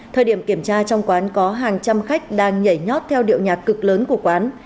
thời điểm kiểm tra trong quán có hàng trăm khách đang nhảy nhót theo điệu nhạc cực lớn của quán